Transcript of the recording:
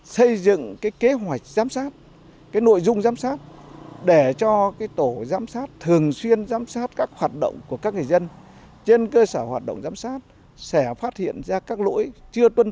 xây dựng kế hoạch giám sát nội dung giám sát để cho tổ giám sát thường xuyên giám sát các hoạt động của các người dân trên cơ sở hoạt động giám sát sẽ phát hiện ra các lỗi chưa tuân thủ